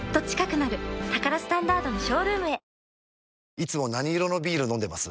いつも何色のビール飲んでます？